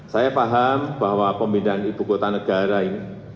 saya paham bahwa pemindahan ibu kota negara ini